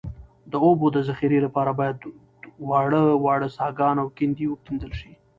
د اوبو د ذخیرې لپاره باید واړه واړه څاګان او کندې وکیندل شي